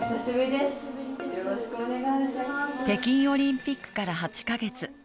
北京オリンピックから８か月。